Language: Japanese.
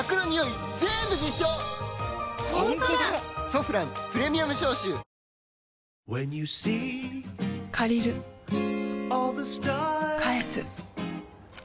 「ソフランプレミアム消臭」借りる返す